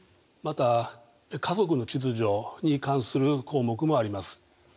また家族の秩序に関する項目もあります。